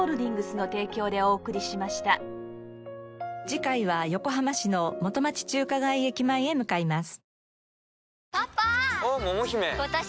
次回は横浜市の元町・中華街駅前へ向かいます。